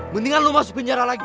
mendingan lo masuk penjara lagi